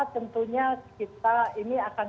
tentunya kita ini akan